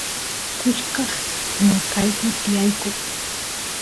kusqas noqayku tiyayku